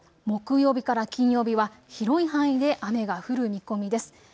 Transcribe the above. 木曜日から金曜日は広い範囲で雨が降る見込みです。